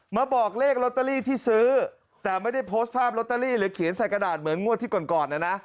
มาบอกเลขลอตเตอรี่ที่ซื้อแต่ไม่ได้โพสต์ภาพลอตเตอรี่หรือเขียนใส่กระดาษเหมือนงวดที่ก่อนก่อนนะนะ